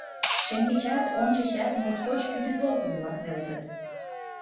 Шеҥгечат, ончычат моткоч кӱтӱ толкын-влак нӧлтыт.